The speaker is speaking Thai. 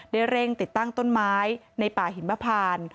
เร่งติดตั้งต้นไม้ในป่าหิมพาน